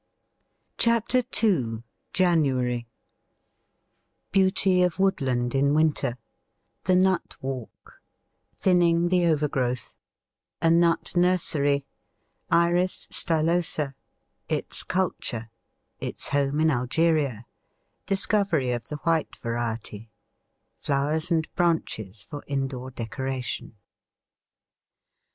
CHAPTER II JANUARY Beauty of woodland in winter The nut walk Thinning the overgrowth A nut nursery Iris stylosa Its culture Its home in Algeria Discovery of the white variety Flowers and branches for indoor decoration.